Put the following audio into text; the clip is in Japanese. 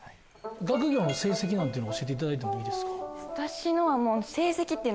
学業の成績なんていうのを教えていただいてもいいですか。